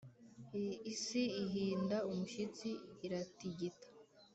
isi ihinda umushyitsi, iratigita.